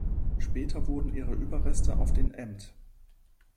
Später wurden ihre Überreste auf den Mt.